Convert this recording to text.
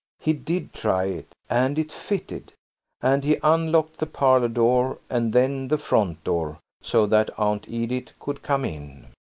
He did try it. And it fitted. And he unlocked the parlour door and then the front door, so that Aunt Edith could come in.